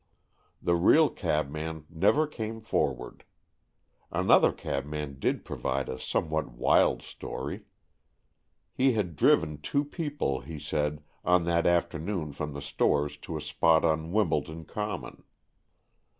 The real cabman never came forward. Another cabman did provide a somewhat wild story. He had driven two people, he said, on that afternoon from the stores to a spot on Wimbledon Common.